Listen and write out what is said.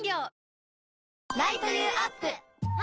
あ！